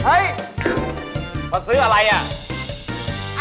เฮ้ยมาซื้ออะไรอ่ะ